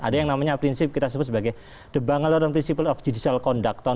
ada yang namanya prinsip kita sebut sebagai the bangalore principle of judicial conduct tahun dua ribu dua